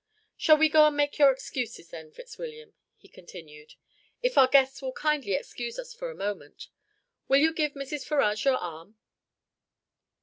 "Shall we go and make your excuses then, Fitzwilliam," he continued, "if our guests will kindly excuse us for a moment? Will you give Mrs. Ferrars your arm?